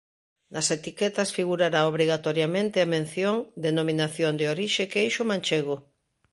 Nas etiquetas figurará obrigatoriamente a mención "Denominación de Orixe Queixo Manchego".